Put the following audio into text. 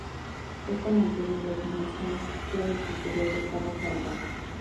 Esto mantiene los márgenes izquierdo y superior del párrafo al ras.